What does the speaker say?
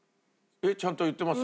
えっちゃんと言ってます？